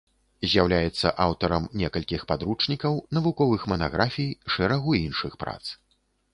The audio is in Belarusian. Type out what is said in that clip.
З'яўляецца аўтарам некалькіх падручнікаў, навуковых манаграфій, шэрагу іншых прац.